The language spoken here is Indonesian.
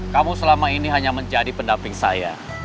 kamu selama ini hanya menjadi pendamping saya